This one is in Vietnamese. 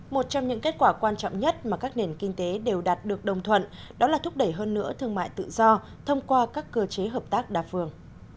một trong những kết quả quan trọng nhất mà các nền kinh tế đều đạt được đồng thuận đó là thúc đẩy hơn nữa thương mại tự do thông qua các cơ chế hợp tác đa phương